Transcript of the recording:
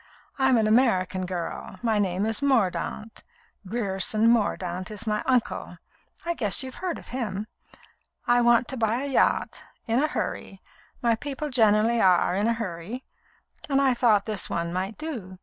I'm an American girl; my name is Mordaunt. Grierson Mordaunt is my uncle. I guess you've heard of him. I want to buy a yacht, in a hurry my people generally are in a hurry and I thought this one might do.